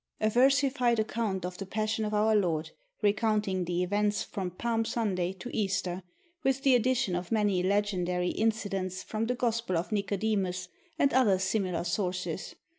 _ A versified account of the Passion of our Lord, recounting the events from Palm Sunday to Easter, with the addition of many legendary incidents from the Gospel of Nicodemus and other similar sources.